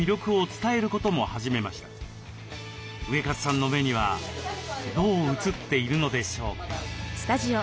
ウエカツさんの目にはどう映っているのでしょうか。